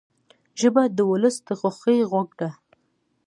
ژبه د ولس د خوښۍ غږ دی